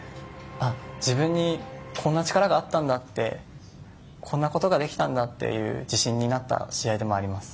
自分にこんな力があったんだってこんなことができたんだという自信になった試合でもあります。